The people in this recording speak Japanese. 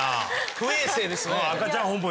不衛生ですね。